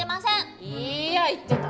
いいや言ってた。